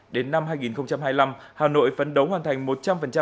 đến năm hai nghìn hai mươi năm hà nội phấn đấu hoàn thành